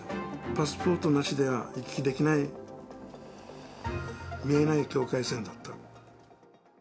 パスポートなしでは行き来できない、見えない境界線だった。